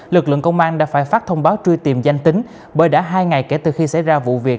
lực lượng công an đã phải phát thông báo truy tìm danh tính bởi đã hai ngày kể từ khi xảy ra vụ việc